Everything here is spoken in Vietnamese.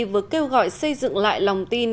vừa kêu gọi xây dựng lại lòng tin